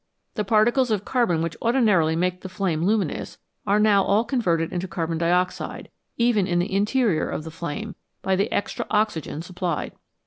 The particles of carbon which ordinarily make the flame luminous are now all converted into carbon dioxide, even in the interior of the flame, by the extra oxygen supplied.